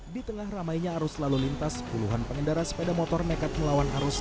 di tengah ramainya arus lalu lintas puluhan pengendara sepeda motor nekat melawan arus